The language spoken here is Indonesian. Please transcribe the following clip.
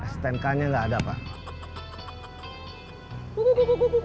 stnk nya nggak ada pak